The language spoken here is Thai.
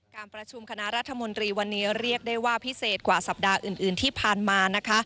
การประชุมคณะรัฐมนตรีวันนี้เรียกได้ว่าพิเศษกว่าสัปดาห์อื่นที่ผ่านมานะคะ